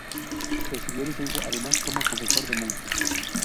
Recibió licencia además como confesor de monjas.